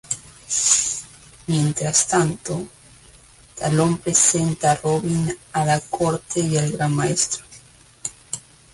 Mientras tanto, Talon presenta a Robin a la Corte y al Gran Maestro.